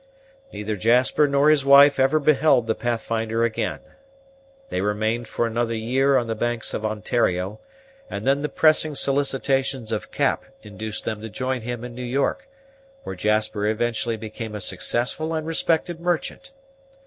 Neither Jasper nor his wife ever beheld the Pathfinder again. They remained for another year on the banks of Ontario; and then the pressing solicitations of Cap induced them to join him in New York, where Jasper eventually became a successful and respected merchant.